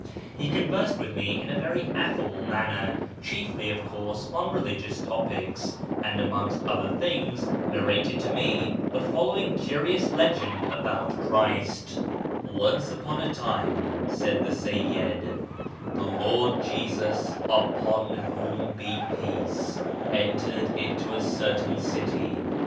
He conversed with me in a very affable manner, chiefly, of course, on religious topics, and, amongst other things, narrated to me the following curious legend about Christ :" Once upon a time," said the Seyyid, " the Lord Jesus (upon whom be peace) entered into a certain city.